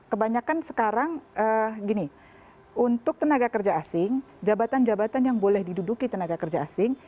kebanyakan sekarang gini untuk tenaga kerja asing jabatan jabatan yang boleh diduduki tenaga kerja asing